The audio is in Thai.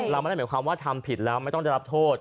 เราไม่ได้หมายความว่าทำผิดแล้วไม่ต้องได้รับโทษ